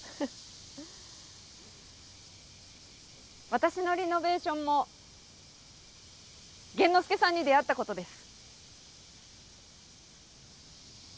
私のリノベーションも玄之介さんに出会ったことです。